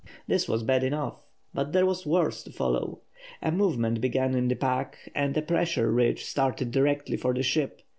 This was bad enough, but there was worse to follow. A movement began in the pack, and a pressure ridge started directly for the ship.